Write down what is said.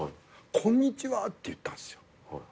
「こんにちは」って言ったんすよ。